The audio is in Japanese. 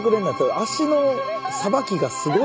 足のさばきがすごい。